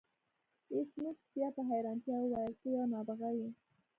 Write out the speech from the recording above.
ایس میکس بیا په حیرانتیا وویل ته یو نابغه یې